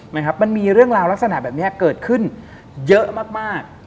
ไหมครับมันมีเรื่องราวลักษณะแบบนี้เกิดขึ้นเยอะมาก